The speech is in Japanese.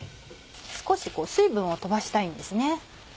少し水分を飛ばしたいんですね。